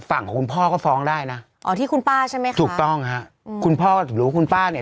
ฝั่งของคุณพ่อก็ฟ้องได้นะอ๋อที่คุณป้าใช่ไหมคะถูกต้องฮะอืมคุณพ่อหรือว่าคุณป้าเนี่ย